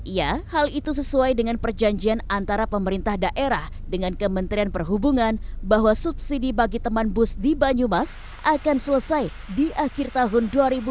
ya hal itu sesuai dengan perjanjian antara pemerintah daerah dengan kementerian perhubungan bahwa subsidi bagi teman bus di banyumas akan selesai di akhir tahun dua ribu dua puluh